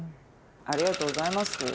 ありがとうございます。